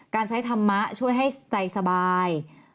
การใช้ธรรมะช่วยให้ใจสบาย